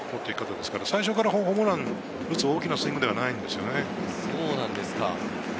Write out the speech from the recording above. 最初からホームランを打つ大きなスイングではなかったですよね。